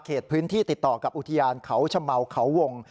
พื้นที่ติดต่อกับอุทยานเขาชะเมาเขาวง